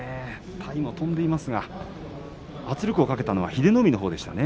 体も跳んでいますが圧力をかけたのは英乃海のほうでしたね。